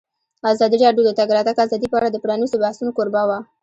ازادي راډیو د د تګ راتګ ازادي په اړه د پرانیستو بحثونو کوربه وه.